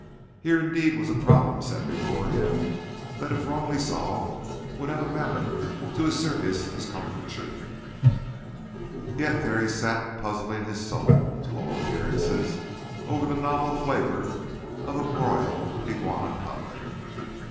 Here, indeed, was a problem set before him that if wrongly solved would have amounted to his serious discomfiture, yet there he sat puzzling his soul (to all appearances) over the novel flavour of a broiled iguana cutlet.